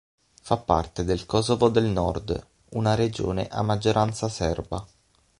Fa parte del Kosovo del nord, una regione a maggioranza serba.